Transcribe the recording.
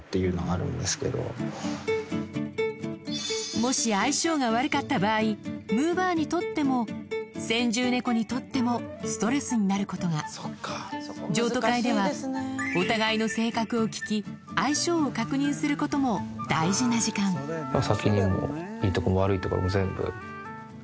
もし相性が悪かった場合むぅばあにとっても先住猫にとってもストレスになることが譲渡会ではお互いの性格を聞き相性を確認することも大事な時間むぅちゃん。